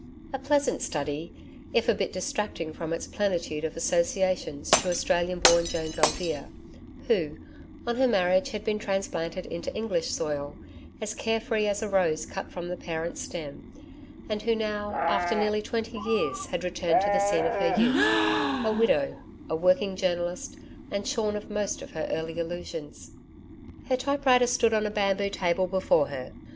A pleasant study, if a bit distracting from its plenitude of associations to Australian born Joan Gildea, who, on her marriage, had been transplanted into English soil, as care free as a rose cut from the parent stem, and who now, after nearly twenty years, had returned to the scene of her youth a widow, a working journalist and shorn of most of her early illusions. Her typewriter stood on a bamboo table before her.